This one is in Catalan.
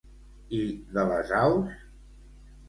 I de les aus?